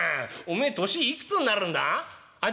おめえ年いくつになるんだ？」。